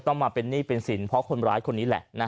ต้องมาเป็นหนี้เป็นสินเพราะคนร้ายคนนี้แหละ